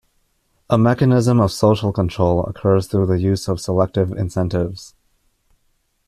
A mechanism of social control occurs through the use of selective incentives.